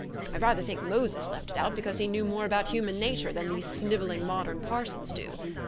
I rather think Moses left it out because he knew more about human nature than these snivelling modern parsons do.